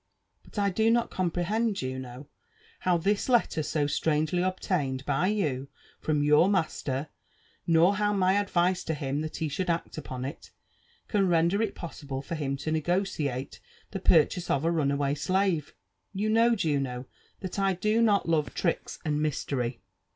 But I do not comprehend, Juno, how this letter so strangely obtained by you from yourm aster, nor how my advice to him that he should act upon it, can render it possible for him to negociate the purchase of a runaway slave. You know, Juno, that I do not love tricks and mystery.